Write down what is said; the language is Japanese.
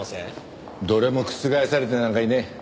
どれも覆されてなんかいねえ。